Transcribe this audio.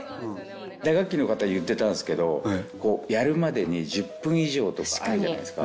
・打楽器の方言ってたんですけどやるまでに１０分以上とかあるじゃないですか。